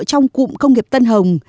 trong cụm công nghiệp tân hồng